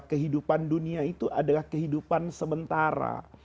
kehidupan dunia itu adalah kehidupan sementara